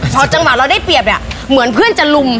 พอจังหวะเราได้เปรียบเนี่ยเหมือนเพื่อนจะลุม